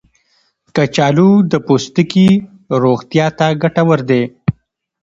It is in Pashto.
کچالو د پوستکي روغتیا ته ګټور دی.